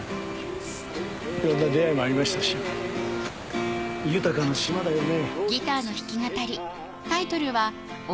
いろんな出会いもありましたし豊かな島だよね。